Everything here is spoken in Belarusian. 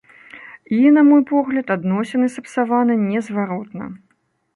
І, на мой погляд, адносіны сапсаваны незваротна.